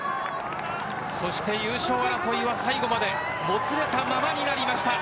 優勝争いは最後までもつれたままになりました。